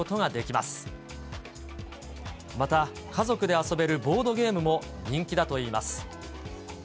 また、家族で遊べるボードゲームも人気だといいます。